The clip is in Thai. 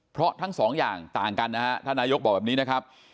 เพราะทั้งสองอย่างต่างกันนะฮะท่านนายกบอกแบบนี้นะครับ